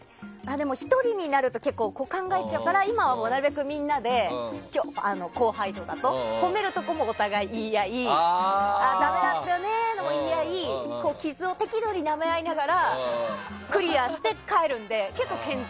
１人になると考えちゃうから今はなるべくみんなで後輩とかと褒めるところもお互い言い合いダメだったよねも言い合い傷を適度になめ合いながらクリアして帰るので健全。